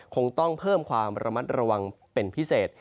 คงต้องเพิ่มความระมัดระวังเป็นพิเศษ